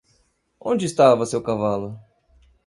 Onde estava seu cavalo?